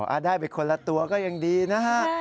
อ้าวได้เป็นคนละตัวก็ยังดีนะฮะ